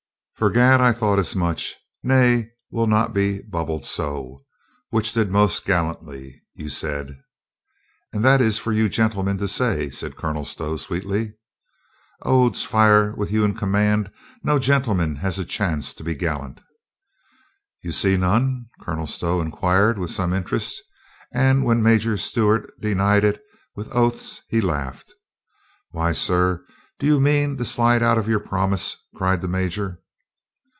"Fgad, I thought as much. Nay, we'll not be bubbled so. Which did most gallantly, you said." "And that is for you gentlemen to say," said Colonel Stow sweetly. "Ods fire, with you in command, no gentleman has a chance to be gallant." "You see none?" Colonel Stow inquired with some interest, and when Major Stewart denied it with oaths he laughed. "Why, sir, do you mean to slide out of your prom ise?" cried the major.